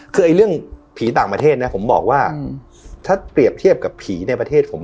คือเรื่องผีต่างประเทศนะผมบอกว่าถ้าเปรียบเทียบกับผีในประเทศผม